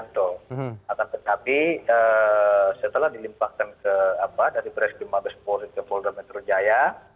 tetapi setelah dilimpahkan dari preskrim mabes polri ke polda metro jaya